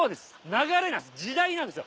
流れなんです時代なんですよ。